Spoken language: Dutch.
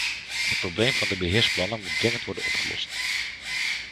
Het probleem van de beheersplannen moet dringend worden opgelost.